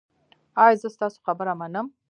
ایا زه ستاسو خبره منم؟